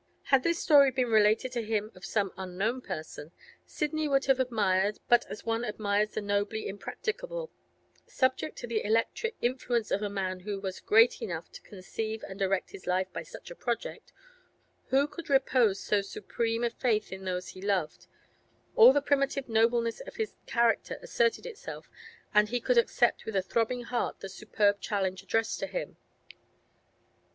Had this story been related to him of some unknown person, Sidney would have admired, but as one admires the nobly impracticable; subject to the electric influence of a man who was great enough to conceive and direct his life by such a project, who could repose so supreme a faith in those he loved, all the primitive nobleness of his character asserted itself, and he could accept with a throbbing heart the superb challenge addressed to him.